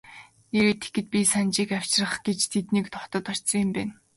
Нээрээ тэгэхэд би энэ Санжийг авчрах гэж тэдний хотод очсон юм байна.